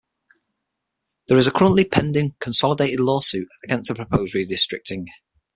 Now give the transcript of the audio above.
There is a currently pending consolidated lawsuit against the proposed redistricting.